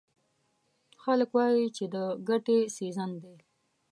خلک وایي چې د ګټې سیزن دی.